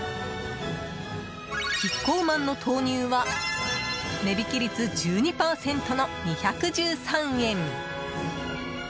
キッコーマンの豆乳は値引き率１２％の２１３円。